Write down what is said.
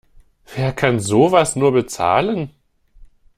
Wer kann sowas nur bezahlen?